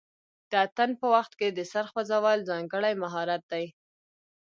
د اتن په وخت کې د سر خوځول ځانګړی مهارت دی.